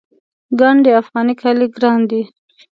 ګنډ افغاني کالي ګران دي